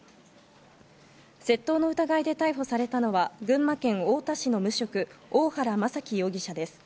窃盗の疑いで逮捕されたのは群馬県太田市の無職、大原優樹容疑者です。